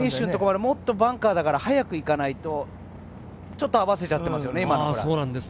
バンカーだからもっと早く行かないと、ちょっと合わせてしまってますよね。